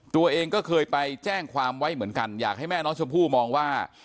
ตัวเองก็เคยไปแจ้งความไว้เหมือนกันอยากให้แม่น้องชมพู่มองว่า